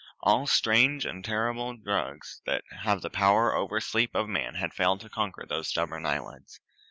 All strange and terrible drugs that have power over the spirit of man had failed to conquer those stubborn eyelids.